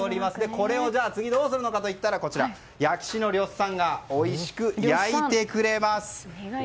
これを次、どうするのかというと焼き師のりょっさんがおいしく焼いてくれます。